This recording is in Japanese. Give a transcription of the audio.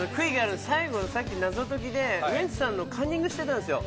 最後、謎解きでウエンツさん、カンニングしてたんですよ。